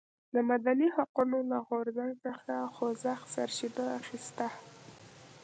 د مدني حقونو له غورځنګ څخه خوځښت سرچینه اخیسته.